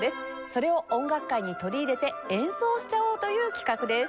それを音楽会に取り入れて演奏しちゃおうという企画です。